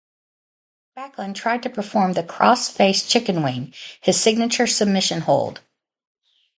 Backlund tried to perform the crossface chickenwing, his signature submission hold.